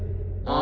あ